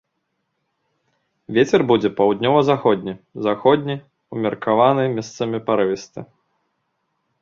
Вецер будзе паўднёва-заходні, заходні, умеркаваны, месцамі парывісты.